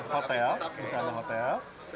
hotel misalnya hotel